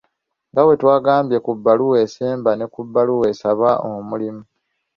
Nga bwe twagambye ku bbaluwa esemba ne ku bbaluwa esaba omulimu.